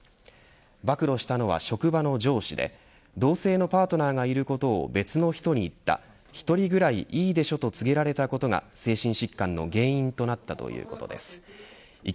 暴露したのは職場の上司で同性のパートナーがいることを別の人に言った１人ぐらいいいでしょと告げられたことがちょっとピンポーンえぇ